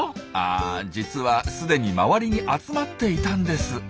ああ実はすでに周りに集まっていたんです。